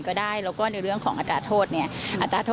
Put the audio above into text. เขาก็ยืนยันจะสู้คดีไหมฮะ